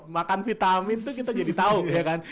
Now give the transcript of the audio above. makan vitamin tuh kita jadi tahu ya kan